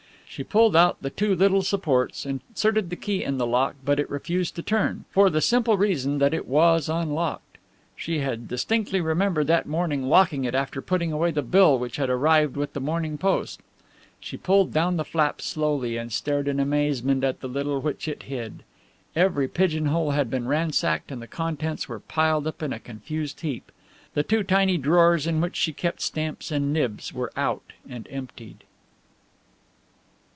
She pulled out the two little supports, inserted the key in the lock, but it refused to turn, for the simple reason that it was unlocked. She had distinctly remembered that morning locking it after putting away the bill which had arrived with the morning post. She pulled down the flap slowly and stared in amazement at the little which it hid. Every pigeon hole had been ransacked and the contents were piled up in a confused heap. The two tiny drawers in which she kept stamps and nibs were out and emptied.